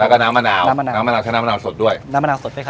แล้วก็น้ำมะนาวน้ำมะนาวน้ำมะนาวใช้น้ำมะนาวสดด้วยน้ำมะนาวสดด้วยค่ะ